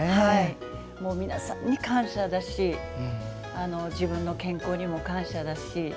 皆さんに感謝だし自分の健康にも感謝だし。